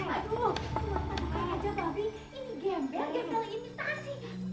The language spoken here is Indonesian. aduh aduk aja babi ini gembel gembel imitasi